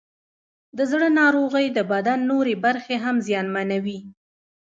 د زړه ناروغۍ د بدن نورې برخې هم زیانمنوي.